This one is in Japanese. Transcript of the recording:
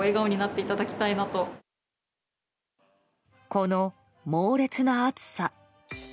この猛烈な暑さ。